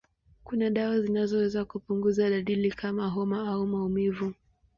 Kuna dawa zinazoweza kupunguza dalili kama homa au maumivu.